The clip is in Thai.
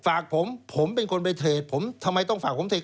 ฝากผมผมเป็นคนไปเทรดผมทำไมต้องฝากผมเทค